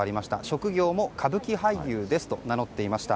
職業も、歌舞伎俳優ですと名乗っていました。